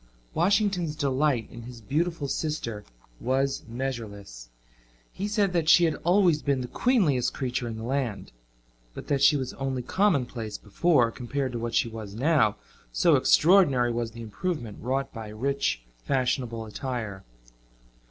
Washington's delight in his beautiful sister was measureless. He said that she had always been the queenliest creature in the land, but that she was only commonplace before, compared to what she was now, so extraordinary was the improvement wrought by rich fashionable attire.